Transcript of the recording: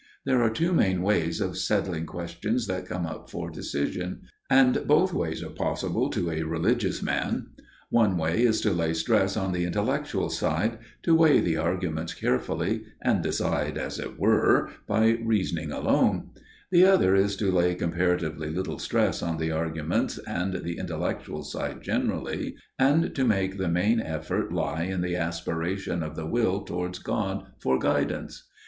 There are two main ways of settling questions that come up for decision, and both ways are possible to a religious man. One way is to lay stress on the intellectual side, to weigh the arguments carefully, and decide, as it were, by reasoning alone: the other is to lay comparatively little stress on the arguments and the intellectual side generally, and to make the main effort lie in the aspiration of the will towards God for guidance.